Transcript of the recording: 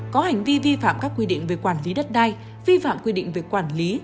có hành vi vi phạm các quy định về quản lý đất đai vi phạm quy định về quản lý